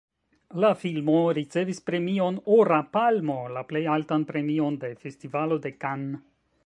La filmo ricevis premion Ora Palmo, la plej altan premion de Festivalo de Cannes.